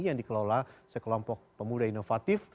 yang dikelola sekelompok pemuda inovatif